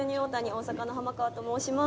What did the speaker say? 大阪の濱川と申します。